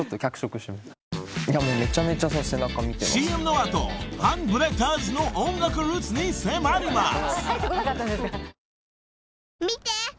［ＣＭの後ハンブレッダーズの音楽ルーツに迫ります］